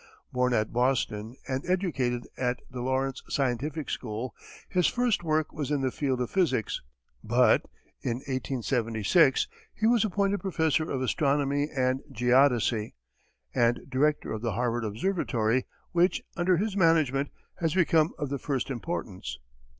Born at Boston, and educated at the Lawrence Scientific School, his first work was in the field of physics, but in 1876, he was appointed professor of astronomy and geodesy, and director of the Harvard observatory, which, under his management, has become of the first importance.